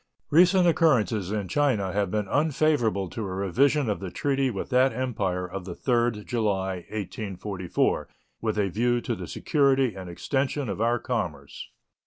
Recent occurrences in China have been unfavorable to a revision of the treaty with that Empire of the 3d July, 1844, with a view to the security and extension of our commerce.